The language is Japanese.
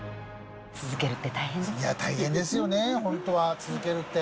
いや、大変ですよね、本当は、続けるって。